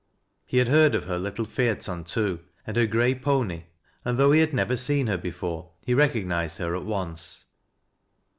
He had heard of her little phaeton too, and her gray pony, and so, though he had never seen her before, he recognized her at once.